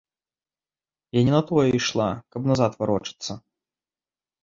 Я не на тое ішла, каб назад варочацца!